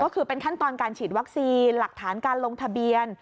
ก็คือเป็นขั้นตอนการฉีดวัคซีนหลักฐานการลงทะเบียน